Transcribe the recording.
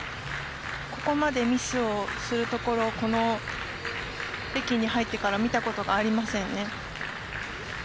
ここまでミスをするところは北京に入ってから見たことがありませんね。